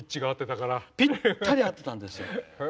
ぴったり合ってたんですよ。